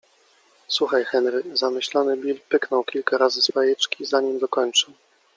- Słuchaj, Henry... - Zamyślony Bill pyknął kilka razy z fajeczki, zanim dokończył